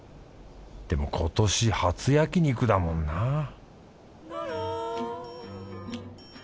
でも今年初焼肉だもんなぁ